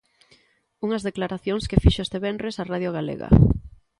Unhas declaracións que fixo este venres á Radio Galega.